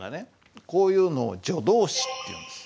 こういうのを助動詞っていうんです。